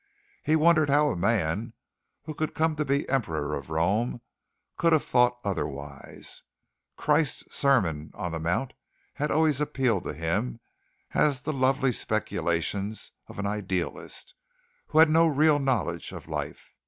He wondered how a man who could come to be Emperor of Rome could have thought otherwise. Christ's Sermon on the Mount had always appealed to him as the lovely speculations of an idealist who had no real knowledge of life.